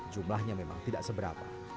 jumlahnya memang tidak seberapa